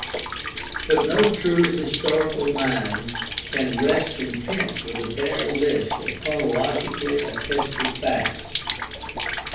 But no truly historical mind can rest content with a bare list of chronologically attested facts.